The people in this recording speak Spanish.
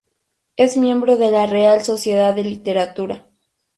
Es miembro de la Real Sociedad de Literatura.